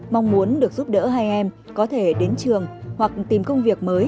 mong muốn được giúp đỡ hai em